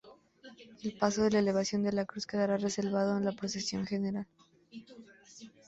El paso de "La Elevación de la Cruz" quedará reservado para la Procesión General.